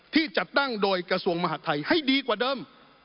ที่จัดตั้งโดยกระทรวงมหาดไทยให้ดีกว่าเดิม